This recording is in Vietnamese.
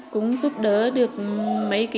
cũng giúp đỡ được mấy cái